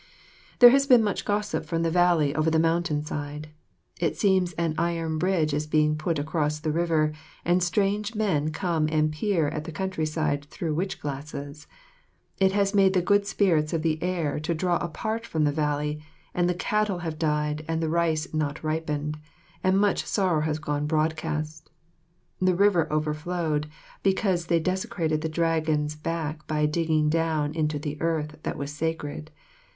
There has been much gossip from the valley over the mountain side. It seems an iron bridge is being put across the river, and strange men come and peer at the countryside through witch glasses. It has made the good spirits of the air to draw apart from the valley, and the cattle have died and the rice not ripened, and much sorrow has gone broadcast. The river overflowed, because they desecrated the Dragon's back by digging down into the earth that was sacred.